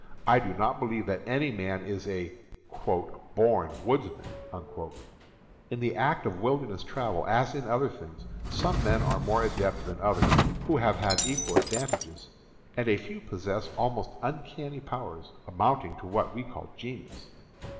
I do not believe that any man is a "born woodsman." In the art of wil derness travel, as in other things, some men are more adept than others who have had equal advantages, and a few possess almost uncanny powers, amounting to what we call genius.